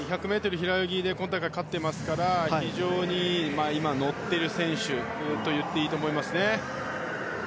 １００ｍ平泳ぎで今大会勝っていますから今、乗っている選手と言っていいと思います。